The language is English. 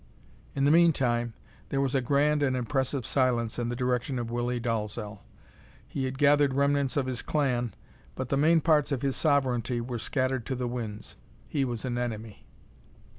In the mean time there was a grand and impressive silence in the direction of Willie Dalzel. He had gathered remnants of his clan, but the main parts of his sovereignty were scattered to the winds. He was an enemy.